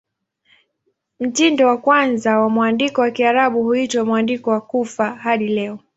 Mtindo wa kwanza wa mwandiko wa Kiarabu huitwa "Mwandiko wa Kufa" hadi leo.